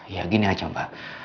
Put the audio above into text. ya gini aja mbak